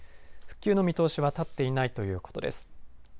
復旧の見通しは立っていないということです。